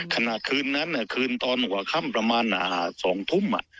ขณะคืนนั้นคืนตอนหัวค่ำประมาณ๒ทุ่ม